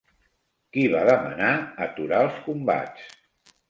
Qui va demanar aturar els combats?